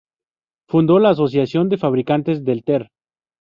Fundó la Asociación de Fabricantes del Ter.